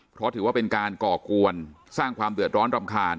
เพราะถือว่าเป็นการก่อกวนสร้างความเดือดร้อนรำคาญ